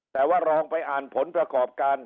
แต่ว่าลองไปอ่านผลประกอบการ